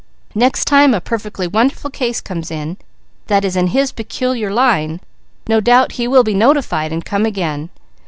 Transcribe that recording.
Next time a perfectly wonderful case comes in, that is in his peculiar line, no doubt he will be notified and come again.